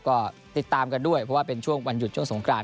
ก็ติดตามกันด้วยเพราะว่าเป็นช่วงวันหยุดช่วงสงคราน